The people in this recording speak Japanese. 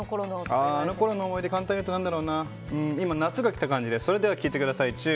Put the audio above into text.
あのころの思い出簡単に言うと何だろうな夏が来た感じでそれでは聴いてください。